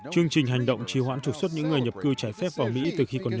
chương trình hành động trì hoãn trục xuất những người nhập cư trái phép vào mỹ từ khi còn nhỏ